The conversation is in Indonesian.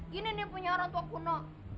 gini nih punya orang tua kuno